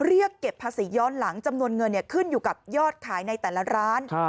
เรียกเก็บภาษีย้อนหลังจำนวนเงินขึ้นอยู่กับยอดขายในแต่ละร้าน